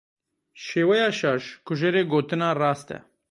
Şêweya şaş, kujerê gotina rast e.